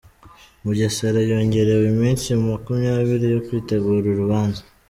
Mugesera yongerewe iminsi makumyabiri yo kwitegura urubanza